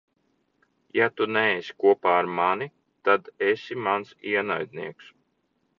Ja tu neesi kopā ar mani, tad esi mans ienaidnieks.